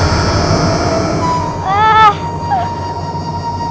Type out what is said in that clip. jangan dia membatalkan